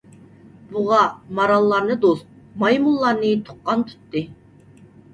بۇغا، ماراللارنى دوست، مايمۇنلارنى تۇغقان تۇتتى.